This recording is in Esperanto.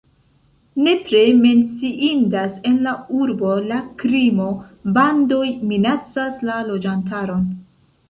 Nepre menciindas en la urbo la krimo, bandoj minacas la loĝantaron.